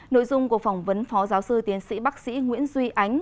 nội dung của phỏng vấn phó giáo sư tiến sĩ bác sĩ nguyễn duy ánh